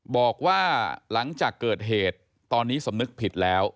บอกว่าหลังจากเกิดเหตุตอนนี้สำนึกผิดแล้ว